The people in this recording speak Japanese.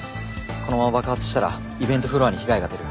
このまま爆発したらイベントフロアに被害が出る。